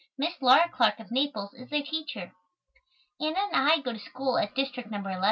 Miss Laura Clark of Naples is their teacher. Anna and I go to school at District No. 11.